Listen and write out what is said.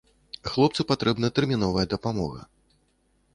Хлопцу патрэбна тэрміновая дапамога.